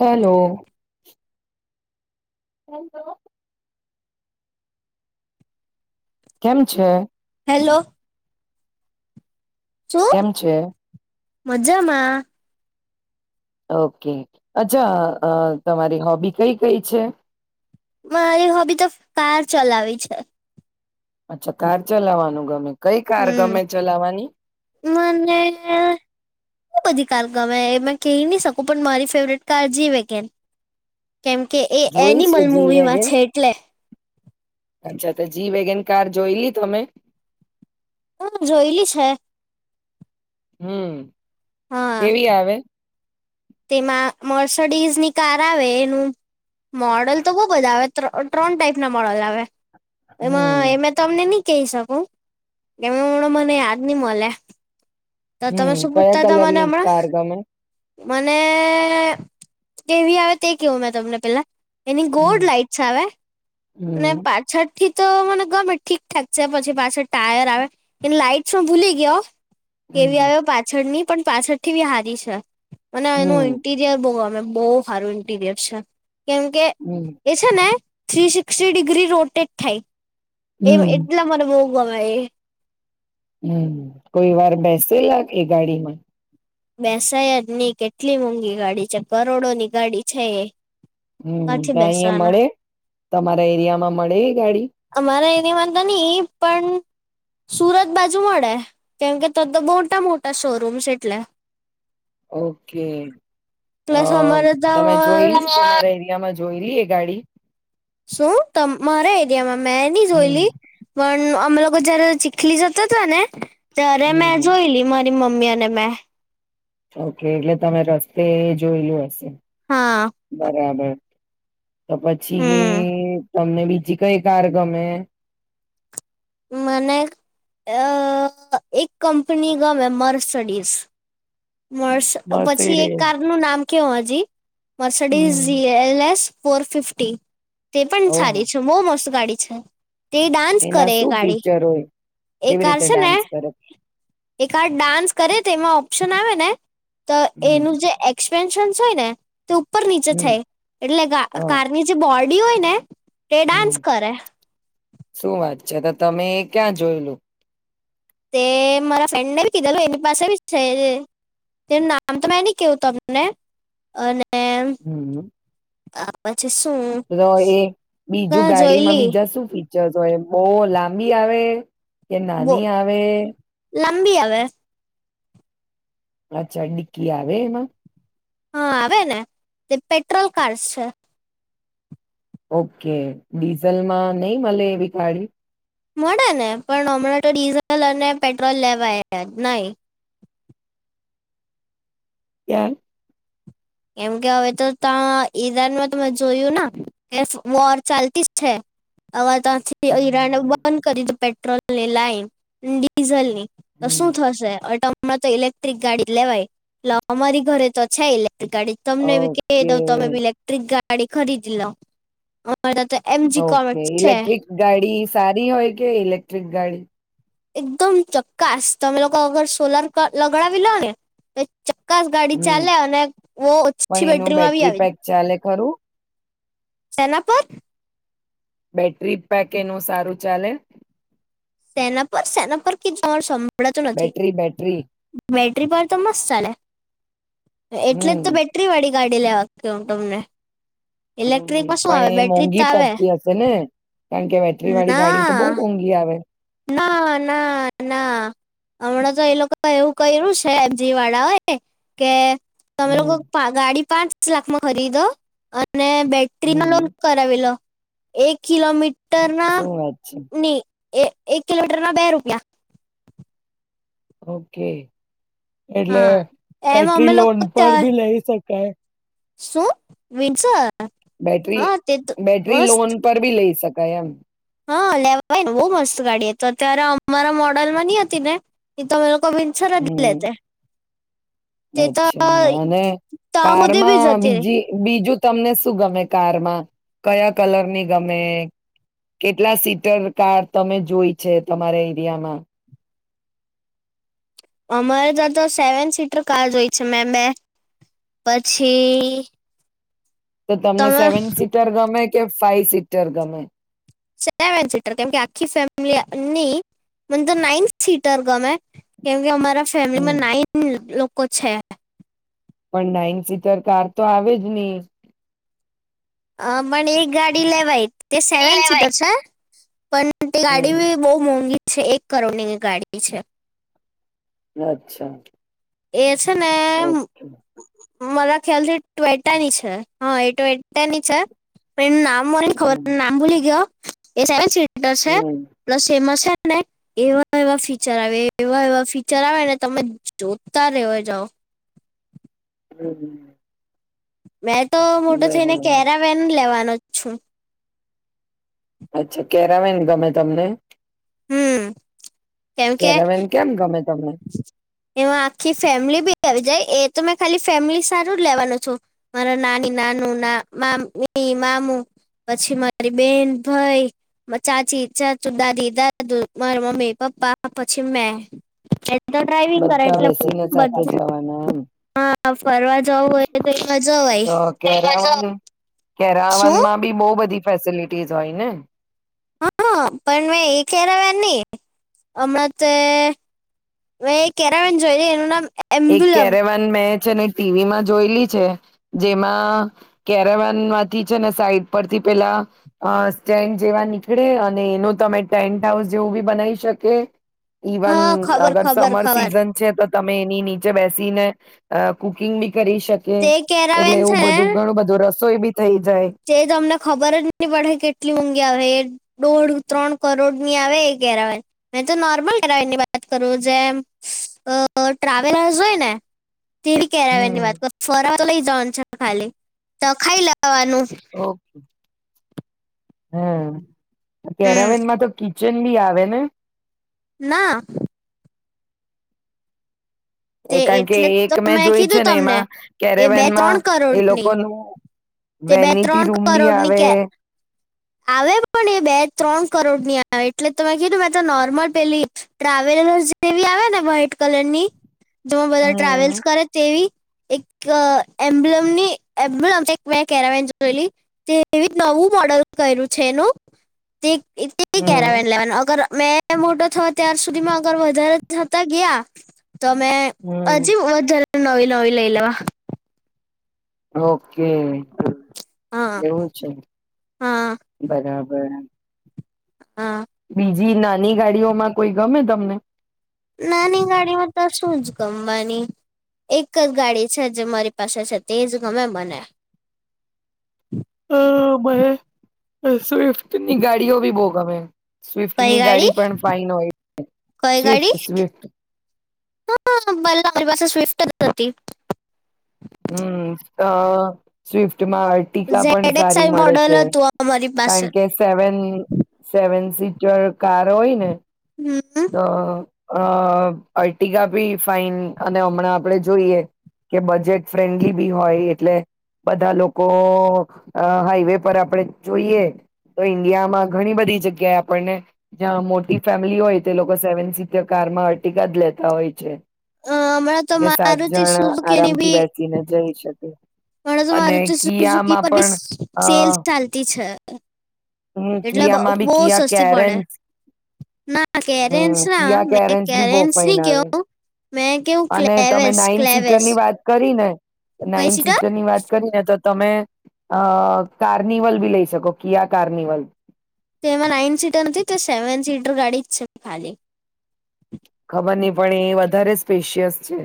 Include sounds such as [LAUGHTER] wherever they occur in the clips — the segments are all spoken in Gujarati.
[INAUDIBLE] હેલો. હલો. કેમ છે? હેલો. શું? કેમ છે? મજામાં. ઓકે. અચ્છા અહ તમારી હોબી કઈ-કઈ છે? મારી હોબી તો કાર ચલાવી છે. અચ્છા. કાર ચલાવવાનું ગમે? કંઈ કાર હમ. ગમે ચલાવવાની? મને બધી કાર ગમે એ મે કહી નહી શકું, પણ મારી ફેવરેટ કાર જી વેગેન. કેમ કે એ જોઈ છે એનિમલ જી મૂવીમાં વેગન છે એટલે. અચ્છા તો જી વેગન કાર જોઈલી તમે? હા જોયેલી છે. હમ્મ. હા. તેમાં મર સડીઝની કાર આવે એનું મોડલ તો બહ બધા આવે. ત્રણ ત્રણ ટાઈપ ના મોડલ આવે. હમ એમાં એમે તમને નહી કહી શકું કેમ કે હમણાં મને યાદ નહી મલે. હમ કયા કલરની કાર ગમે? મને કેવી આવે તે કેવું મેં તમને પેલા એની હમ ગોડ લાાઈટ્સ આવે. ને હમ પાછડ થી તો મને ગમે ઠીકઠાક છે પછી પાછ ટાયર આવે એ લાઈટસ ભૂલી ગયા કેવી હમ આવ્યો પાછળની પણ પાછળથી બી હારી છે. અને એનું હમ ઇન્ટિરિયર બવ ગમે. બહુ હારું ઇન્ટીરિયર છે. કેમ કે હમ એ છે ને થ્રી શિકસ શિક્ષ્ટિ ડિગ્રી રોટેટ થાય. એ હમ એટલા મને બવ ગમે એ. હમ કોઈ વાર બેસે લાગ એ ગાડી માં. બેસાય જ નહિ. કેટલી મોંઘી ગાડી છે, કરોડોની ગાડી છે એ કાથી હમ અહીં બેસવાના મળે તમારા એરિયા માં મળે એ ગાડી? અમારા એની વાંધો નહી પણ સુરત બાજુ મળે કેમકે તો તો મોટા મોટા શોરૂમ્સ એટલે ઓકે પ્લસ અમારે તમે ત્યાં જોય લ તમારા એરિયામાં જોયલી એ ગાડી? શું? તમ, મારા એરિયામાં મેં ની હમ જોયેલી પણ અમે લોકો જ્યારે ચીખલી જતા હતા ને ત્યારે હમ મે હમ જોયેલી મમ્મી અને મેં. ઓકે એટલે તમે રસ્તે જોયલું હશે. હા બરાબર તો હમ પછી તમને બીજી કઈ કાર ગમે મને એક કંપની કા મેમ્બર સ્ટડીઝ મર્સ પછી એક મર્સિડીઝ કાર નું નામ કેવ હજી હમ મર્સડીઝ એલસ ફોર ફિફ્ટી તે પણ સારી ઓહો છે. બોવ મસ્ત ગાડી અચ્છા. તે ડાન્સ એના કરે એક શું ગાડી, ફીચર હોય એક કેવી કાર રીતે છે, ને ડાન્સ કરે એક આ ડાન્સ કરે તેમાંગુ ના આવે ને. તો હમ એનું જે એ પેન્શન હોય ને. તે ઉપર નીચે હમ છે, એટલે હ કારની જે બોલ્ટ હોયને. તે ડાન્સ કરે. અચ્છા તો તમે ક્યાં જોયે લુ? તે મારા ફ્રેન્ડ ને બી કીધેલું એની પાસે બી છે, તેનું નામ તો મેં નહી કેવું તમને, અને હમ્મ. પછી શું તો એ, બીજું ના ગાડી માં જોયલી બીજા શું ફી તો એ બહ લાંબી આવે. કે નાની આવે. લંબી આવેે. અચ્છા નકી આવે એમાં? હા આવે, ને તે પેટ્રોલ કારસ છે. ઓકે. ડીઝલમાં નહીં મલે એવી ગાડી? મળે ને, પણ હમણાં તો ડીઝલ અને પેટ્રોલ લેવાય જ નહીં. [UNINTELLIGIBLE] કેમ કે હવે તો ત્યા ઈરાનમાં તમે જોયું ના કે વોર ચાલતી જ સે. [UNINTELLIGIBLE] ત્યાથી અ ઈરાન હમ, બંધ કરી દીધ પેટ ટ્રોલ ની લાઈન, ડીઝલ ની તો શું હમ. થશે અટ હમણાં તો ઇલેક્ટ્રિક ગાડી લેવાય, એટલે અમારી ઘરે તો છે ઇલે ટ્રીક ગાડી. તમને બી કહી ઓકે દઉં તમે બી ઇલેક્ટ્રિક ગા ડી ખરીદી લો. અમારે ત્યાં તો એમજી ઓકે. કોમેટ છે ઇલેક્ટ્રિક ગાડી સારી હોય કે ઇલેક્ટ્રિક ગાડી? એકદમ જકાસ. તમે લોકો અગર સોલાર ક લગડાવી લો ને એ જકાસ ગાડી હમ ચાલે અને બહું પણ ઓછી એનું બેટરીમાં બી બેટરી આવી [UNINTELLIGIBLE] પેક ચાલે ખરું? શેના પર? બેટરી પેક એનું સારું ચાલે? શેના પર શેના પર [UNINTELLIGIBLE] સંભળાતું નથી. બેટરી બેટરી બેટરી પાવર તો મસ્ત ચાલે. એટલે જ હમ તો બેટરી વાળી ગાડી લેવા કે હું તમને ઇલેક્ટ્રિકમાં શું આવે પણ એ બેટરી જ તો મોંઘી આવે પડતી હશે ને કારણ કે બેટરી વાળી ગાડી ના તો બહુ મોંઘી આવે ના ના ના હમણાં તો એ લોકો એવું કર્યું છે એબજી વાળા એ કે તમે હમ લોકો ગાડી પાંચ દસ લાખમાં હરી દ અને બેટરી ન લોન હમ કરાવી લો એક કિલોમીટર ટરના શું વાત છે ની એક એક કિલોમીટર ના બે રૂપિયા ઓકે એટલે હા એમ અમે બેટરી લોન લોકો પર ત્યાર ભી લઈ શકાય શું વિસ બેટરી બેટરી લોન પર ભી લઈ સક ક હા લેવાય ને બહુ મસ્ત ગાડી હતી તો અત્યારે અમારા મોડલ માં નની હતી ને એ તો અમે કબિનસર ગલે છે હમ અચ્છા અને હુધી બી કારમાં જતી રહી બીજી બીજું તમને શું ગમે કારમાં કયા કલર ની ગમે કેટલા [UNINTELLIGIBLE] કાર તમે જોઈ છે તમારા એરિયામાં અમારે ત્યા તો સેવન સીટર કાર જો હોય છે મેમ બે પછી તો તમને તમે સેવન સીટર ગમે કે ફાઈવ સીટર ગમે સેવન સીટર કેમકે આખી ફેમિલી નહી મને તો નાઈન સીટર ગમે કેમકે અમારા હમ ફેમિલીમાં નાન કો છે પણ નાઈન સીટર કાર તો આવેજ નહી અ મને એક ગાડી [UNINTELLIGIBLE] તે સેવન સીટર છે પણ ગાડી હમ ભ બહુ મોંગી છે. એક કરોડની ગાડી છે. અચ્છા, એ છે, ને ઓકે. મારા ખ્યાલ થી ટ્વેટાની છે. હા એ ટ્વેટાની છે, પણ એનું નામ તર એ ખબર હમ નામ બ ક એ સેવન શીટ ટર છે. હમ પ્લસ ફેમસ છે ને એવા એવા ફીચર આવે એવા એવા ફીચર આવે ને તમે જો તા રેવા જાઓ. હમ્મ. મેં તો મોટું થઈને કેરાવેેન લેવાન લછું. અચ્છા કેરામેને ગમે તમને? હમ્મ. કેરામન કેમ ગમે તમ એમાં આખી ફેમિલી બી કરી જાય. એ તો મે ખાલી ફેમિલી સારું જ લેવાનું છો. મારા નાની, નાનું નામ મામુ પછી, મારી બેન, ભાઈ, ચાચી, ચાચુ, દાદી, દાદુ, મારા મમ્મી, પપ્પા પછી મેં. કે તો ડ્રાઈવિંગ કર બધા એટલે બેસીને સાથે બધ જવાના એમ હા ફરવા જવું હોય તો, એમાં જવાય. તો કેરાવન શું માં બી બવ બધી ફેસિલિટીસ હોયને. હા, પણ મેં એ કેરાવેન નહી, હમણાં તે મેં કેરાવેન જોય એનું નામ એક એમ્બ્યુલમ કેરેવાન મે છે ટીવીમાં જોયેલી છે, જેમાં કેરેવનમાંથી છે ને સાઈડ પરથી પેલા સ્ટેન્ડ જેવા નીકળે અને એનું તમે ટેન્ટ હાઉસ જેવું બી બનાવી શકે. ઇવન હા ખબર અગર ખબર સમર ખબર સીઝન છે તો તમે એની ની બેસીને, અ કુકિંગ કરી શકે, તે એટલે એવું બધું ઘણું બધું રસ તોઈ બી થઈ જાય તે તમને ખબર જ નહી પડે કેટલી ઊંઘી આવે એ દોઢ ત્રણ કરોડની આવે એ કેરા મે તો નોર્મલ એરાની વાત કરું જેમ ટ્રાવેલર્સ હોયને. તેવી કેરાવે ની હમ વાત કર ફર લઈ જન છે. ખાલી, તો ખાઈ લ ખાવાનું. ઓહ. હા, હમ તેરાવેન માં તો કી ચંડી આવે ને. ના. એ તે કારણ કે એટલે એક તો મેં જોય છે કીધું ને તમને એમાં, એ બે કેરેવેનમાં ત્રણ એ કરોડની લોકોનું. તે બે વેનિટી ત્રણ રૂમ બી કરોડની આવે. કે આવે પણ એ બે ત્રણ કરોડ ની આવે એટલે તમે કીધું મેં તો નોર્મલ પેલી ટ્રાવેલર્ જેવી આવે ને વ્હાઈટ કલરની જેમાં બધા હમ ટ્રાવેલ્સ કરે તેવી એક એમ્બ્લમની એમ્બલમમ મેં કેરામેન જોયેલી તેવી નવું મોડલ કર્યું છે એનું તે એ હમ કેરાન લેવન અગર મેં મોટો થયો ત્યાર સુધીમાં આગળ વધારે થતા ગયા. તોમે હમ હજી વધારે નોવી નવી લઈ લેવા. ઓકે હા એવું છે, હા બરાબર. હા [UNINTELLIGIBLE] જી નાની ગાડીઓમાં કોઈ ગમે તમને? નાની ગાડીઓમાં તો શું જ ગમવાની એક જ ગાડી છે જે મારી પાસે છે તે જ ગમે મને. હા બવ. [INAUDIBLE] સ્વિફ્ટ ની ગાડીઓ બી બો ગમે. સ્વિફ્ટ ની ગાડી પણ ફાાઈન હોય. કઈ સ્વિફ્ટ, ગાડી સ્વિફ્ટ. હા ભલે અરી પાસે સ્વિફ્ટ જ હતી. હમ્મ, અ સ્વિફ્ટ ટકાા પણ ઝેડ એક્સ સારી આઈ મળે મોડલ છે, હતું અમારી પાસે કારણ કે સેવન સેવન સીચર કાર હોય ને. હમ તો. અ અર્ટગા ભી ફાઈન અને હમણાં આપડે જોઈએ, કે બજેટ ફ્રેન્ડલી બી હોય એટલે, બધા લોકો હાઈવે પર આપણે જોઈએ તો ઈન્ડિયામાં ઘણી બધી જગ્યાએ આપણને. મોટી ફેમિલી હોય. તે લોકો સેવન સીટર કારમાં અટીકા જ લેતા હોય છે. અ હમણાં તો મારુતિ શુંઝૂકેની બી ને જઈ શકે. ઘણા તો અને મારુતિ ઝૂકી કિયામાં પર બી પણ અ સેલ્સ ચાલતી છે. હમ એટલે બહ કિયામાં બી કિયા સસ્તી પડે, કેરેન્સ ના કેરેન્સ હમ ના કિયા મે કેરેન્સ બી બહુ કેરેન્સની ફાઇન કેવ. આવે અને તમે નાઈન સીટર ની વાત કરી ને, નાઈન સીટર ની વાત કરીને તો તમે, અ કાર્નિવલ બી લઈ શકો કિયા કાર્નિવલ. તે એમાં નાઈન સીટર નથી તો સેવન સીટર ગાડી જ છે ખાલી. ખબર નહ પણ એ વધારે સ્પેશિયસ છે.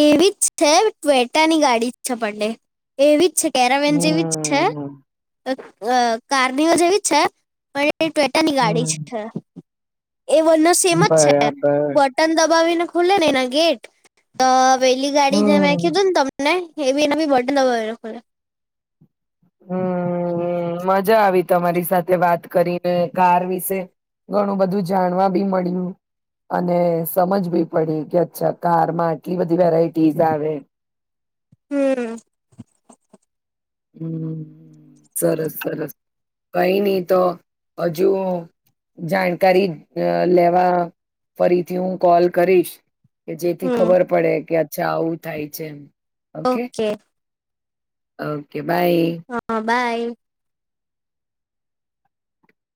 એવી જ છે ટ્વેટાની ગાડી જ છે પંડે, એવી જ છે. કેરાવેન જેવી જ છે, તો. અ કાર્નઓ જેવી છે પણ ટ્વેટા ની ગાડી છે હમ છે એ વણ સેમ જ છે બરાબર બટન દબાવીને ખુલ્લે નહી ના ગેટ. આ. પેલી ગાડી જે મેં હમ કીધું ને તમને. એવી એના બી વધઢ ન એ હમ્મ મજા આવી તમારી સાથે વાત કરીને કાર વિશે ઘણું બધું જાણવા બી મળ્યું અને સમજ બી પડી કે અચ્છા કારમાં આટલી બધી વેરાઈટી આવે. હમ્મ. હમ્મ સરસ સરસ કઈ નહી તો હજુ જાણકારી અ લેવા ફરીથી હું કોલ કરીશ. કે જેથી ખબર હમ પડે કે છા આવું થાય છે એમ. ઓકે. અ. બાઈ. હા બાય.